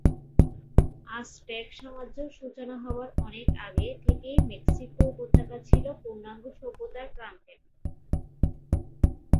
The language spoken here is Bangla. আজটেক সাম্রাজ্য সূচনা হবার অনেক আগে থেকেই মেক্সিকো উপত্যকা ছিল পূর্ণাঙ্গ সভ্যতার প্রাণকেন্দ্র।